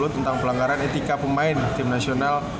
tentang pelanggaran etika pemain tim nasional